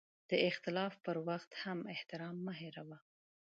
د اختلاف پر وخت هم احترام مه هېروه.